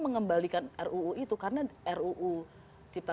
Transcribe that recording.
mengembalikan ruu itu karena ruu cipta